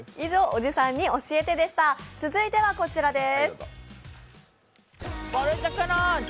続いてはこちらです。